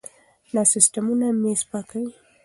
دا سیستمونه مېز پاکوي.